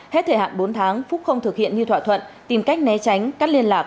hết thời hạn bốn tháng phúc không thực hiện như thỏa thuận tìm cách né tránh cắt liên lạc